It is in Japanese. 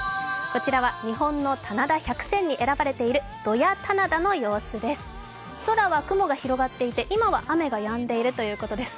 こちらは日本の棚田百選に選ばれている土谷棚田の様子です。